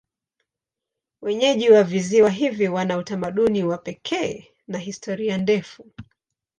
Wenyeji wa visiwa hivi wana utamaduni wa pekee na historia ndefu.